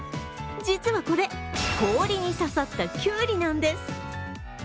実はこれ、氷に刺さったきゅうりなんです。